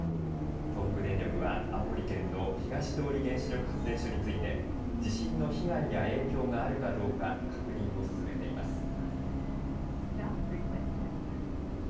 東北電力は青森県の東通原子力発電所について地震の被害や影響があるかどうか確認を進めています。